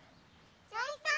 「チョイサー！